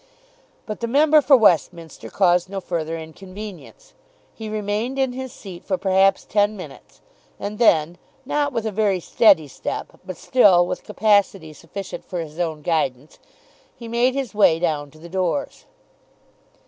But the member for Westminster caused no further inconvenience. He remained in his seat for perhaps ten minutes, and then, not with a very steady step, but still with capacity sufficient for his own guidance, he made his way down to the doors.